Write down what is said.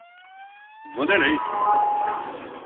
Wanderley